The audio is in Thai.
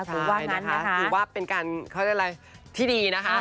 คือว่าเป็นการที่ดีนะคะ